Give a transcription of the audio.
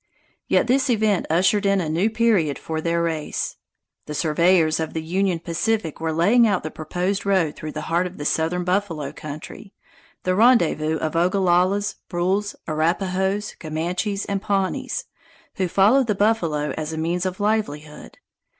Yet this event ushered in a new period for their race. The surveyors of the Union Pacific were laying out the proposed road through the heart of the southern buffalo country, the rendezvous of Ogallalas, Brules, Arapahoes, Comanches, and Pawnees, who followed the buffalo as a means of livelihood.